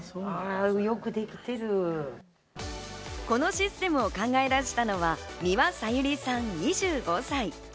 このシステムを考え出したのは三和沙友里さん、２５歳。